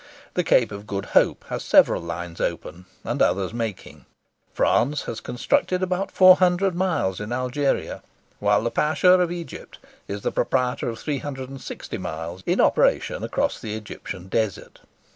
The Cape of Good Hope has several lines open, and others making. France has constructed about 400 miles in Algeria; while the Pasha of Egypt is the proprietor of 360 miles in operation across the Egyptian desert.